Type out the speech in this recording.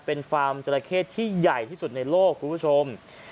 เป็นฟาร์มจราเข้ที่ใหญ่ที่สุดในโลกคุณผู้ชม